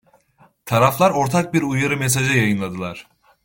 Taraflar ortak bir uyarı mesajı yayınladılar.